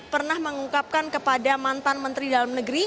pernah mengungkapkan kepada mantan menteri dalam negeri